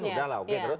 sudahlah oke terus